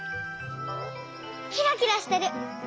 キラキラしてる。